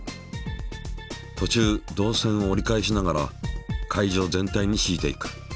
とちゅう導線を折り返しながら会場全体にしいていく。